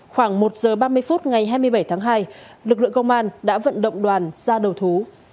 khoảng một giờ ba mươi phút ngày hai mươi bảy tháng hai lực lượng công an đã vận động đoàn ra đầu thú